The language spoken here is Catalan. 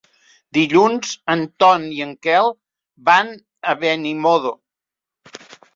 Dilluns en Ton i en Quel van a Benimodo.